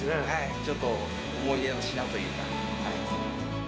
ちょっと思い出の品というか。